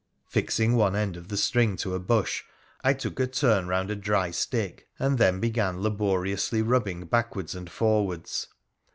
Fixing one end of the string to a bush, I took a turn round a dry stick, and then began laboriously rubbing backwards and forwards.